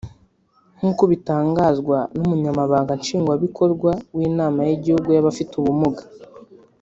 nk’uko bitangazwa n’umunyamabanga Nshingwabikorwa w’inama y’igihugu y’abafite ubumuga